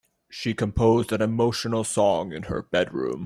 She composed an emotional song in her bedroom.